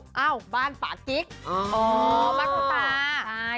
เอ้าบ้านปากิ๊กอ๋อบ้านคุณตาใช่